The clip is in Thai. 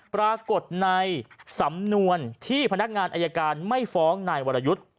ปรากฏในสำนวนที่พนักงานอายการไม่ฟ้องนายวรยุทธ์